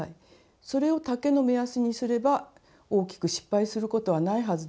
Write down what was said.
それを丈の目安にすれば大きく失敗することはないはずです。